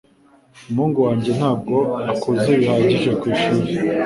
Umuhungu wanjye ntabwo akuze bihagije ku ishuri